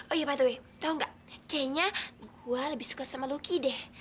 oh iya by the way tau nggak kayaknya gue lebih suka sama lucky deh